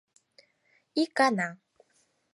Икана